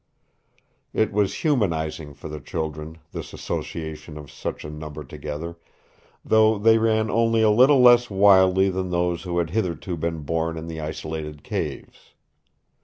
It was humanizing for the children, this association of such a number together, though they ran only a little less wildly than those who had heretofore been born in the isolated caves.